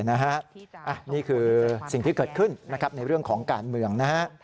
นี่คือสิ่งที่เกิดขึ้นในเรื่องของการเมือง